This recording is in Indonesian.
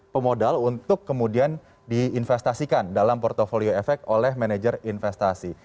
pemodal untuk kemudian diinvestasikan dalam portfolio efek oleh manajer investasi